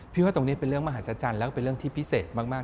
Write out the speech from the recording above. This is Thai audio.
ว่าตรงนี้เป็นเรื่องมหัศจรรย์แล้วก็เป็นเรื่องที่พิเศษมาก